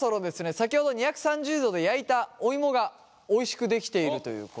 先ほど２３０度で焼いたお芋がおいしく出来ているということ。